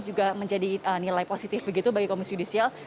juga menjadi nilai positif begitu bagi komisi judisial